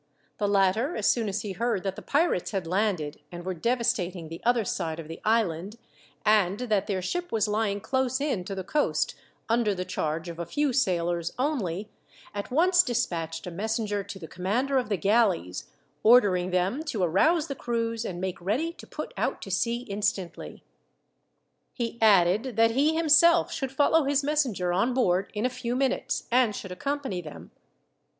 The latter, as soon as he heard that the pirates had landed and were devastating the other side of the island, and that their ship was lying close in to the coast under the charge of a few sailors only, at once despatched a messenger to the commander of the galleys; ordering them to arouse the crews and make ready to put out to sea instantly. He added that he, himself, should follow his messenger on board in a few minutes, and should accompany them.